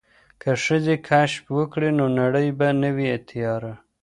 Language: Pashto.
که ښځې کشف وکړي نو نړۍ به نه وي تیاره.